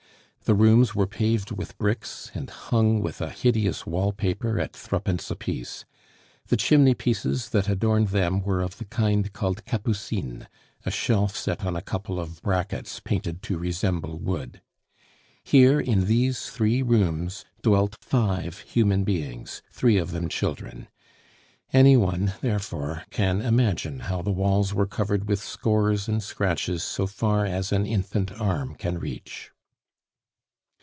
The rooms were paved with bricks, and hung with a hideous wall paper at threepence apiece; the chimneypieces that adorned them were of the kind called capucines a shelf set on a couple of brackets painted to resemble wood. Here in these three rooms dwelt five human beings, three of them children. Any one, therefore, can imagine how the walls were covered with scores and scratches so far as an infant arm can reach.